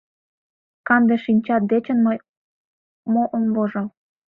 Канде шинчат дечын мый мо ом вожыл?